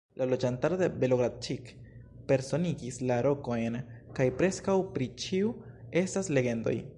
La loĝantaro de Belogradĉik personigis la rokojn, kaj preskaŭ pri ĉiu estas legendoj.